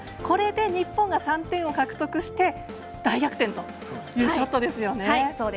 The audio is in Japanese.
これで日本が３点を獲得して大逆転というショットですよね。